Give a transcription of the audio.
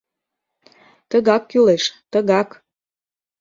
— Тыгак кӱлеш, тыгак.